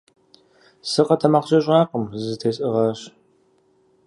СыкъэтэмакъкӀэщӀакъым, зызэтесӀыгъащ.